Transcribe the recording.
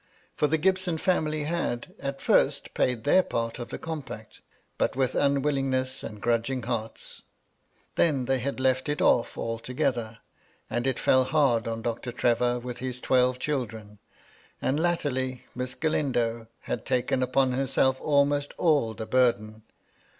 For the Gibson family had, at first, paid their part of the compact, but with unwill ingness and grudging hearts ; then they had left it off ;my lady LUDLOW. 307 altogether, and it fell hard on Doctor Trevor with his twelve children ; and, latterly. Miss Galindo had taken upon herself almost all the burden.